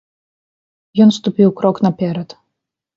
Ён ступіў крок наперад.